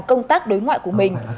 công tác đối ngoại của mình